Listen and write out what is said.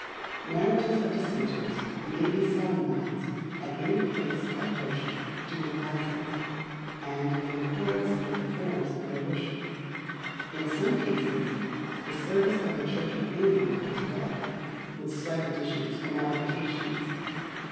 Marriages of Dissenters may be solemnized at any place of worship duly licensed, and in accordance with the forms of their worship. In some cases, the service of the Church of England is read, with slight additions or modifications.